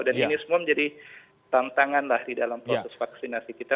dan ini semua menjadi tantangan lah di dalam proses vaksinasi kita